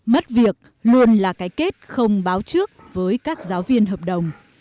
mất việc luôn là cái kết không báo trước với các giáo viên hợp đồng